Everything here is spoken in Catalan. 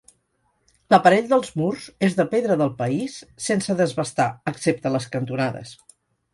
L'aparell dels murs és de pedra del país sense desbastar, excepte a les cantonades.